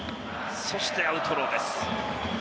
そしてアウトローです。